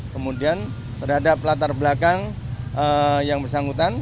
kemudian terhadap latar belakang yang bersangkutan